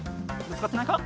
ぶつかってないか？